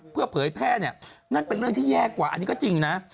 เพื่อเผยแพร่เนี่ยนั่นเป็นเรื่องที่แย่กว่าอันนี้ก็จริงนะ